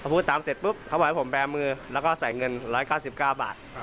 พูดตามเสร็จปุ๊บเขาบอกให้ผมแบร์มือแล้วก็ใส่เงิน๑๙๙บาท